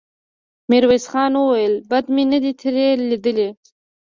ميرويس خان وويل: بد مې نه دې ترې ليدلي.